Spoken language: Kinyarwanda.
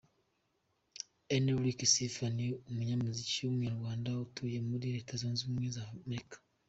Enric Sifa ni umunyamuziki w’Umunyarwanda utuye muri Leta Zunze Ubumwe za Amerika.